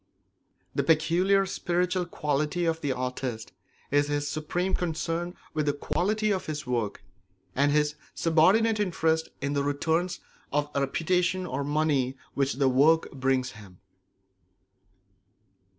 The peculiar spiritual quality of the artist is his supreme concern with the quality of his work and his subordinate interest in the returns of reputation or money which the work brings him.